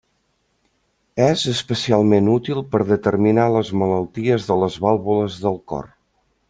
És especialment útil per determinar les malalties de les vàlvules del cor.